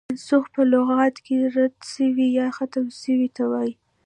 منسوخ په لغت کښي رد سوی، يا ختم سوي ته وايي.